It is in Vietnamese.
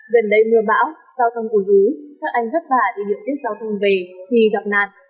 gần đây mưa bão giao thông cùi hứ các anh vất vả để nhận biết giao thông về khi gặp nạn